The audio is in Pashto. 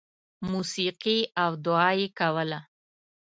• موسیقي او دعا یې کوله.